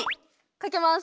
かけます。